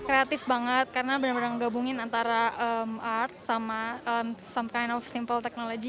kreatif banget karena benar benar menggabungkan antara art sama some kind of simple technology